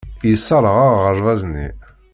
Yesserɣ aɣerbaz-nni.